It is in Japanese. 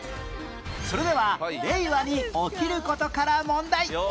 それでは令和に起きる事から問題